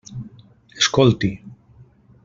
Escolti.